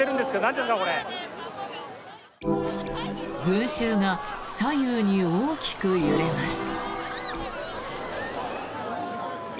群衆が左右に大きく揺れます。